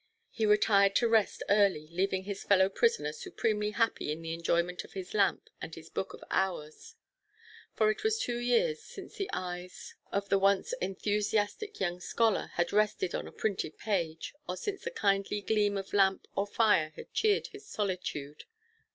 He retired to rest early, leaving his fellow prisoner supremely happy in the enjoyment of his lamp and his Book of Hours. For it was two years since the eyes of the once enthusiastic young scholar had rested on a printed page, or since the kindly gleam of lamp or fire had cheered his solitude.